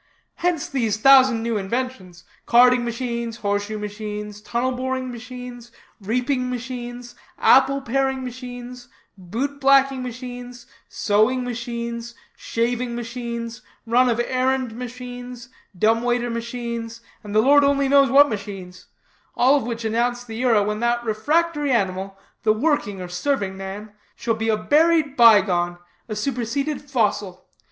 Hence these thousand new inventions carding machines, horseshoe machines, tunnel boring machines, reaping machines, apple paring machines, boot blacking machines, sewing machines, shaving machines, run of errand machines, dumb waiter machines, and the Lord only knows what machines; all of which announce the era when that refractory animal, the working or serving man, shall be a buried by gone, a superseded fossil.